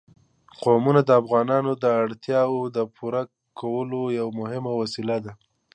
قومونه د افغانانو د اړتیاوو د پوره کولو یوه مهمه وسیله ده.